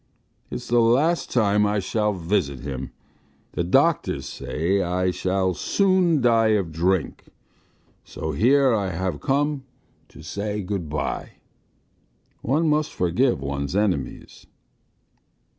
It's the last time I shall visit him. ... The doctors say I shall soon die of drink, so here I have come to say good bye. One must forgive one's enemies."